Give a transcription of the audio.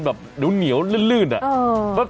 แบบต้มเหนียวเรื่อยอ่ะ